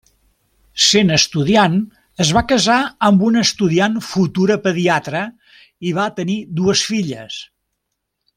Sent estudiant, es va casar amb una estudiant futura pediatra i va tenir dues filles.